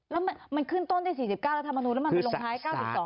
แล้วมันขึ้นต้นที่๔๙รัฐมนูลแล้วมันไปลงท้าย๙๒